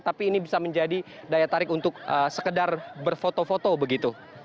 tapi ini bisa menjadi daya tarik untuk sekedar berfoto foto begitu